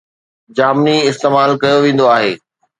جامني استعمال ڪيو ويندو آهي